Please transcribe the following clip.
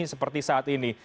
seperti saat ini